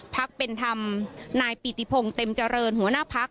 พักเป็นธรรมนายปิติพงศ์เต็มเจริญหัวหน้าพัก